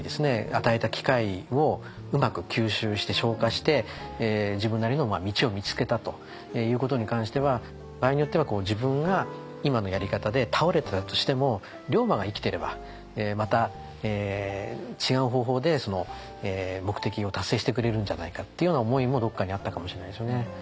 与えた機会をうまく吸収して消化して自分なりの道を見つけたということに関しては場合によっては自分が今のやり方で倒れたとしても龍馬が生きてればまた違う方法でその目的を達成してくれるんじゃないかっていうような思いもどっかにあったかもしれないですよね。